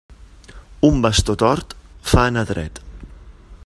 Un bastó tort fa anar dret.